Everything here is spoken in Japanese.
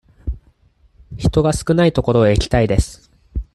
人が少ない所へ行きたいです。